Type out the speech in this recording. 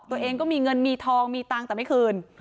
ตัวเองก็มีเงินมีทองมีตังค์แต่ไม่คืน